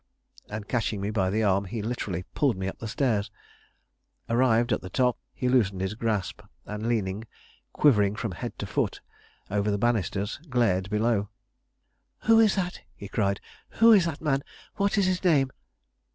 And catching me by the arm, he literally pulled me up the stairs. Arrived at the top, he loosened his grasp, and leaning, quivering from head to foot, over the banisters, glared below. "Who is that?" he cried. "Who is that man? What is his name?"